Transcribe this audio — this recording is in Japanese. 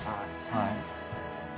はい。